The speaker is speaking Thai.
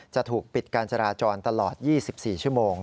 จะถูกปิดการจราจรตลอด๒๔ชั่วโมง